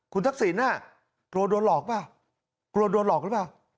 คุณทักษิณกลัวโดนหลอกเปล่ากลัวโดนหลอกหรือเปล่า